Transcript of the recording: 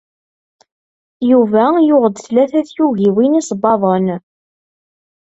Yuba yuɣ-d tlata tyugiwin isebbaḍen.